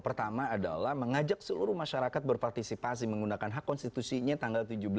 pertama adalah mengajak seluruh masyarakat berpartisipasi menggunakan hak konstitusinya tanggal tujuh belas